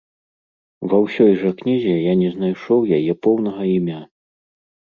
Ва ўсёй жа кнізе я не знайшоў яе поўнага імя.